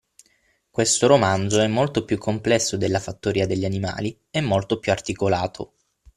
Questo romanzo è molto più complesso della Fattoria degli animali e molto più articolato